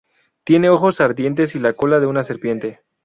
Tiene ojos ardientes y la cola de una serpiente.